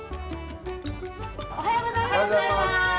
おはようございます。